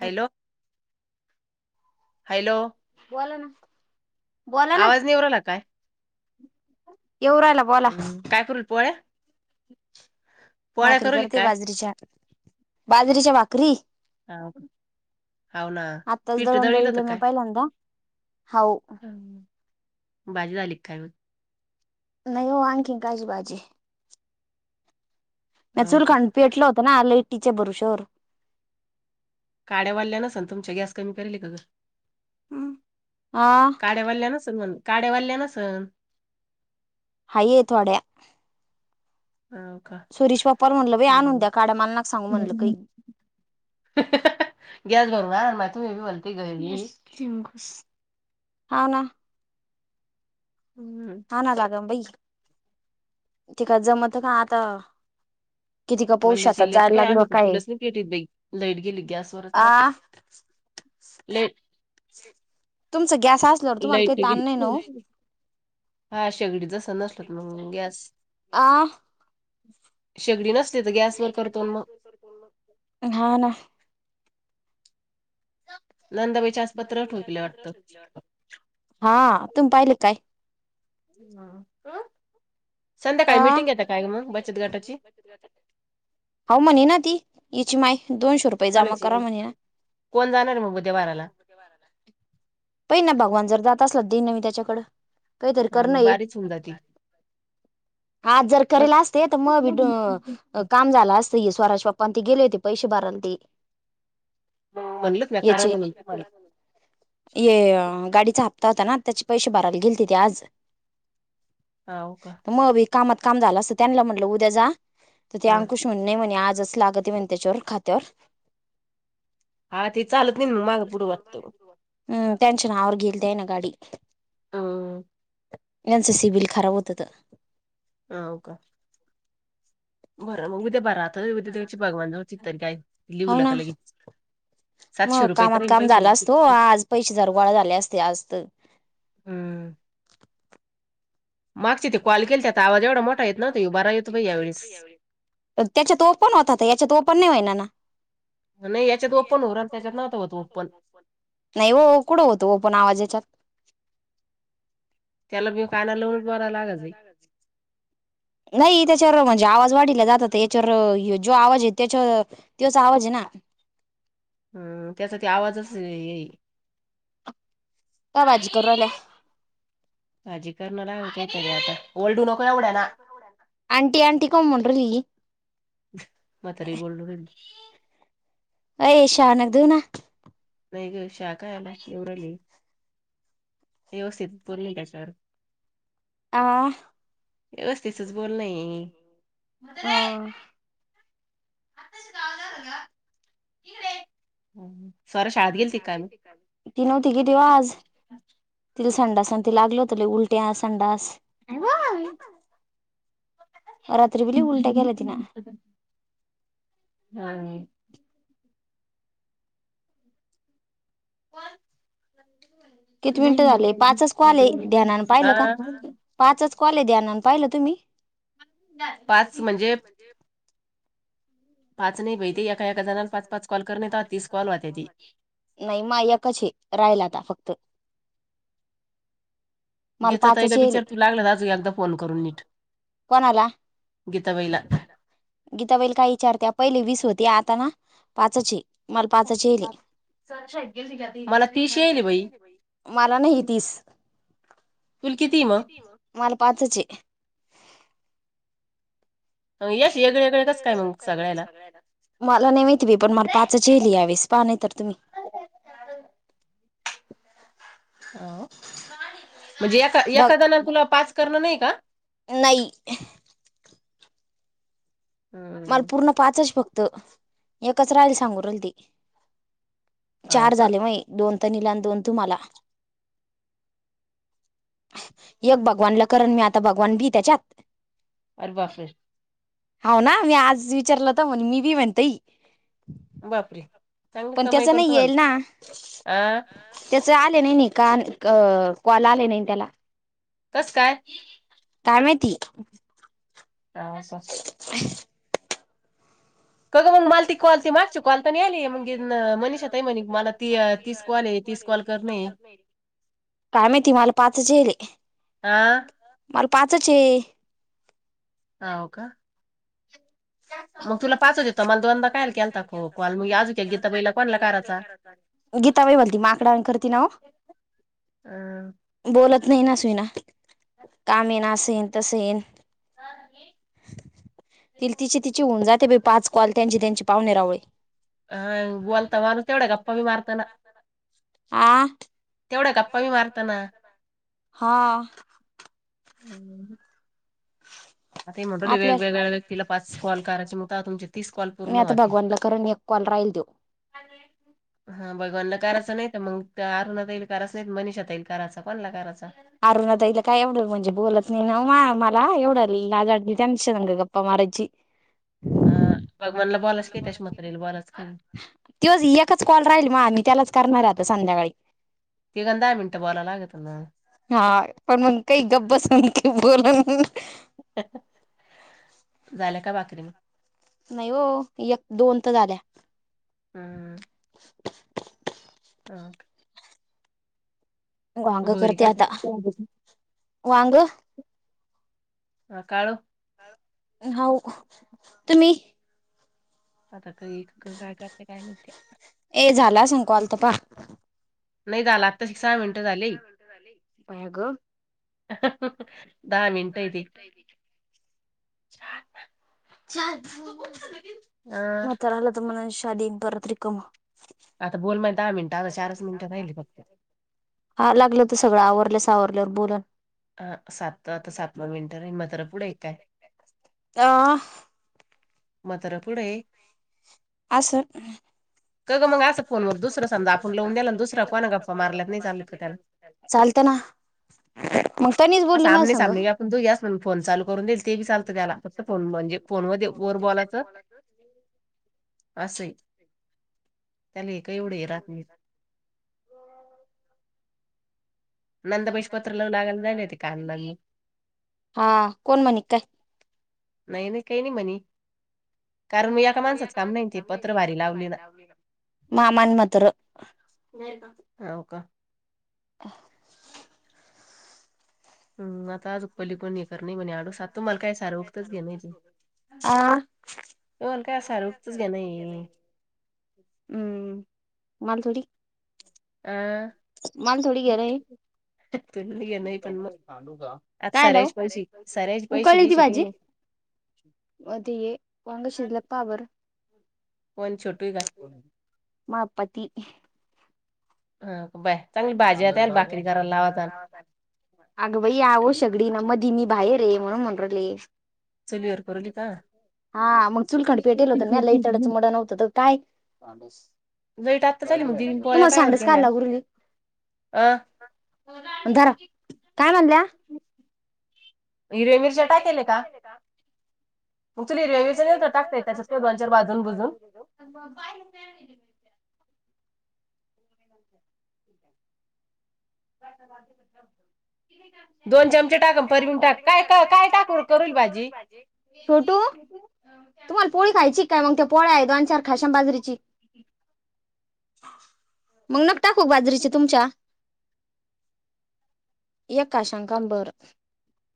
Hello hello आवाज नियेऊ राहिला काय? येऊ राहिला बोला काय करूल पोळ्या भाकरी करते बाजरीच्या बाजरीच्या भाकरी आत्ताच दळदळलं म पहिल्यांदा होव बाजी ली खाय हो नाहीो आ आणखी कााजीबाजी चुल खं पेटलं होत ना लेटीच्या बरुशवर काड्या वाढल्या नस ना तुमच्या गॅस कमी करेल का ग ह काड्यावाल्या नच काड्यावाल्यानच हा ये थोड्या हम्म सुरेश बाप्पावर म्हणलं बेी आणून द्या काड्या मलाना सांगू म्हटलं काही गॅस भरू मा तुम्ही बी बोलती ग हा ना हम्म हा ना लागम बाई ठीक जमत का आता वाल्ल्याशल्याच आम्ही पण तुलाच नाही पेटत बा लाईट गेली गॅसवररच राहतो ल तुमच गॅस लईट घे हा शेगडी जसं नसल मग गॅस हा शेगडी नसते तर गॅस वर करतो मग [inaudible] ह ना नंदाबाई आज पत्र ठोकले वाटतं हा तुम पाहिले काय संध्याकाळी मिीटिंग येत काय मग बचत गटाची हा म्हनिना ती यािची माय दोनशे रुपये कोणाची कोण जाणार आहे मग देवाराला पही ना भगवान जर जात असला दे न मी त्याच्याकड काहीतरी करण ये आज जर करेला असते तर मग भी काम झालं असतं स्वराज बाप्पनी त गेले होते पैसे भारण ते म्हणलत नाकारा म्हणणत मला ये गाडीचा हप्ता होता ना त्याचे पैसे भरायला गेल तिथे आज मग कामात काम झालं अस त्यांला म्हटलं उद्या जा तर अंकुश नाही म्हणे आजचं लागत आहे म्हणे त्याच्यावर खात्यावर हा ते चालत नाही माग पुढे वाटतो हम्म त्यांशन आवर गेल ते आहे ना गाडी ह यांच सिबिल खराब होत तर ह हो का बरं मग मी ते बं राहत त्या भगवान चिततरी काय लिहलं का लगेच मग कामात काम झाला असतो आज पैसे दरवाळा झाले असते आज तर हम्म मागचेथे कॉल केली त्या आता आवाज एवढा मोठा येत ना तो बा येतो यावेळेस त्याच्यात ओपन होतात याच्यात ओपन नाही होई ना ना नाही याच्यात ओपन हो त्याच्यात नवतं होतं ओपन नाही हो कुठं होतो पण आवाजाच्यात त्याला बी कानाला लावून बरां लागच ये नाही त्याच्यावर म्हणजे आवाज वाढीला जात होते याच्यावर जो आवाज आहे त्याच्यावर त्योच आवाज आहे ना हम्म त्याचा ते आवाजच येई काय भाजी करू रायल्या? भाजी करनार आहे, [unintelligible] ला का तरी आता ओरडू नको एवढ्या ना आंटी आंटी का म्हणु राहिली मातारीला बोलू राहीली अ शहाण्या देऊ ना? नै ग शाखायला [unintelligible] इवरली व्यवस्थित बोलले त्याच्यावर आ व्यवस्थितच बोलणं हो. स्वरा शाळात गेल्ती काय म? ती नव्हती गेली आज तिला संडास आण त लागल होत ल उलट्या संडास अव रात्रीबी लई उलट्या केल्या तिनं हा. पण किती मिनिटं झालेय, पाचच कॉल ध्यानान पाहिलं का? पाचच कॉल ध्यानान पाहिलं तुम्ही? पाच म्हणजे? पाच नाही बाई ते एका एका जणला पाच पाच कॉल कर नाही तीस कॉल वाते ते नाही मायकच हे राहिला आता फक्त गीता ताईला विचार तू लागला तर अजूनं एकदा फोन करून नीट, गीता बाईला गीताबाइला काय विचारते पहिले वीस होते आता ना पाचच ए मला पाचचे येएल मला नाही तीस कुल [unintelligible] किती म? मला पाचचे ए अशे येगळे येगळे कस काय मग सगळ्याला? [inaudible] मला नाही माहिती बी पण मला पाचच एयेल यावेळेस पाहा नाही तर तुम्ही म्हणजे एका एका जण तुला पाच करणं नाही का? नाही. मला पूर्ण पाचच फक्त, एकच राहिल सांगू राहील ते चार झाले मई दोन तनिला दोन तुम्हाला एक भगवानला करण मी आता भगवान बी त्याच्यात अरे बापरे हवं ना मी आज विचारलं तर म्हण मी बी म्हणतेई बापर पण त्याच नाही येईल ना त्याच आले नाही नाही काल, कॉल आले नाही त्याला कस काय? काय माहिती तर अस ह. काग मग मालती कवाली म [unintelligible] मवा ती नाही [unintelligible] काय माहीती मला पाचच एईल, मला पाचच ये ह का मग तुला पाच हो.... गई गीताबाई म्हण ती माकडा.... हॅलो अं.... बोलत नाही न असविना काम येन असं येन तस येईन.. ही.... त तिची तिची ऊन जाते प पाच कॉल त्यांची त्यांची पाहुणे रावळे... आ..... तेवढा गप्पा मी मारताना... हा... आता म्हणडली वेगवेगळ्याव्यक्तीला पास कॉल करायची मगता तुम... मी आता भगवानला करून एक कॉल राहील देऊ... अगे... हा भगवानना करायचं नाही तर मग अरुणात येईल करायच नाही मनिषात येईल करायचा कोणला करायचा... अरुणता ताईला काय एवढं म्हणजे बोलत नाही न व माय मला एवढं लाज वाटती गप्पा मारतना त्याच्याशी... अ भगवानला बोलायच का त्याशी मत्र बोलायचं का? त एकच कॉल राहिल मग आम्ही त्यालाच करणार आहेत संध्याकाळी... हा.... पण मग काही गप्पस की बोल... झालं का भाकरी म..... नाही हो एक दोन तर झाल्या.. हम... हा... वांग करते आता वांग... काळ... हो तुम्ही.. अतक वेळगते काहीम इत.... नाही झाला... काय झा पाया ग.. दहा मिनट त... चार.. मग त आला त मला शादी परत रिकमा.. आता बोल मा दहा मिनटं आता चारच मिनिटं राहिली फक्त हा लागलं तर सगळं आवरलं सावरल्यावर बोलून.... हा सात आता सातवा मिनिटं मात्र पुढे काय... हं.. मात्र पुढे.... असून... का गं मग असं फोनवर दुसरा समजा आप लावून लाहून द्यायला दुसरा कोणा गप्पा मारलात नाही चालत त्याला... चालत ना... ह आमने सामने आपण तू दोघि असताणा फोन चालू करून देईल ते बी चालतं त्याला फक्त फोन म्हणजे फोन व वर बोलायचं अस त्याला एक एवढं हे रात नाही... नंदाबई पत्र लावून लागायला जाले होते का? हा कोण म्हणीत काय? नाही नाही काही नाही म्हणे..... कारण मी एका माणसच काम नाही ते पत्रवारी लावली ना.... हा का.. अ... हम्म आता आज उ पल्ली प कर नाही म्हणे आडोसा..... तुम्हाला काय सारं उठत घे नाहीजे.... हो काय असारुखतच घेणये. मलथोडी. आह. मल थोडी घर आहे. कायव उकळली ती भाजी. अधये वांगशिलपार पण छोटू काय? मा पती ह बाय कर ना? अगंबाई आवो सगडी ना मधी मी बाहेर रे म्हणून मनु राहिले. चुलीवर करू राहिली का? हा मग चुलखड पेटेल होत मला इचडाच मुडं नव्हतं तर काय? तुमला सांडस काय लागुली. अं धरा काय म्हल्ल्या? हिरवे मिरच्या टाक केले का? मग चुली रवीच्या टाकता य त्याच्यात दोनच्यार बाजून बुजून. ठी आहे. दोन चमचे. टाक परवीन टाक काय काय टाकू करल भाजी. तुम्हाला पोळी खायची काय मग ते पोळ्या आहे दोन चार खाशाम बाजरीची ह मग नग टाकू बाजरीच्या तुमच्या एककाशांकाबर.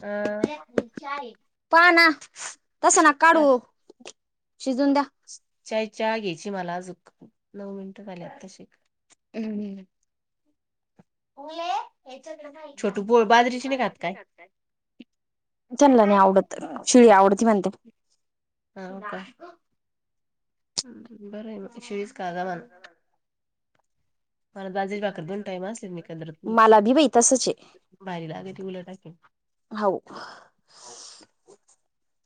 अ आहे. प ना तस ना काढू शिजून द्या चाय चहा घ्यायची मला अज नऊ मिनिटं झाली आताशी. हम् च्या छोटू प बाजरीची नाही खात काय? चांला नाही आवडत शिळी आवडत म्हणते हा का बर म शिवीस कागावान. मला दाजे भाकर दोन टाईम असले मी कदरत नाही बाहेरी लागे त उला टाकेन हो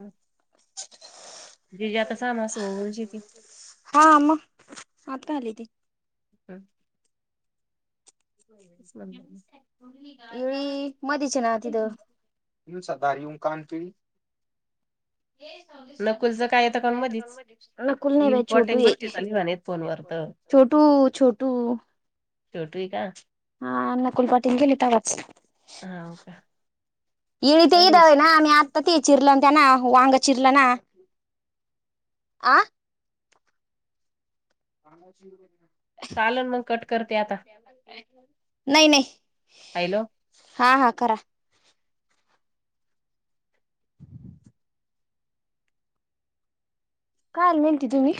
हम् [inaudible] जे जे आता समा सोची त हा आम आता का आली त हम् येळी मधच ना तिथं सदारी येऊ कन फिरी हे नकुलचं काय येत काण मधच इम्पॉर्टेंट गोष्टी चालीवण आहेत फोनवर तर छोटू, छोटू छोटू एका? हा न ना कुलपाटीम गेली तगच हा हो का? इळी ते दववे ना आ्ही आ तर ते चिरलं त्या ना वांग चिरलं ना अ आ चालण मग कट करते आता अ. नाही नाही. हालो. हा हा करा. कायल म्हंती तुम्ही.